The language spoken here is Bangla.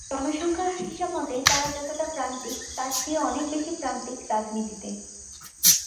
জনসংখ্যার হিসাবমতে তারা যতটা প্রান্তিক, তার চেয়ে অনেক বেশি প্রান্তিক রাজনীতিতে।